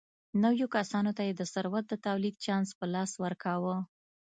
نویو کسانو ته یې د ثروت د تولید چانس په لاس ورکاوه.